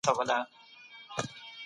اکسیټوسین د فشار منفي اغېزې کموي.